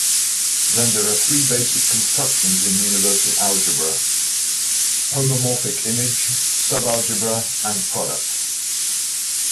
Then there are three basic constructions in universal algebra: homomorphic image, subalgebra, and product.